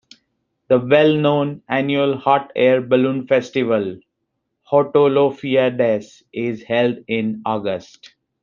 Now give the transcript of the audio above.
The well-known annual hot air balloon festival "Hottolfiades" is held in August.